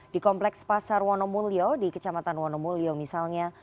di kompleks pasar wonomulyo di kecamatan wonomulyo misalnya